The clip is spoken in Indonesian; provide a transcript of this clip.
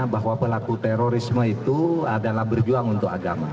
bahwa pelaku terorisme itu adalah berjuang untuk agama